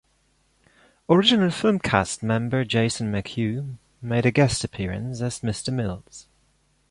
Original film cast member Jason McHugh made a guest appearance as Mr. Mills.